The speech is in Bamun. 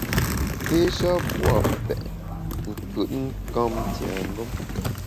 Sé sha pua’ petnkùtnkamtiengem.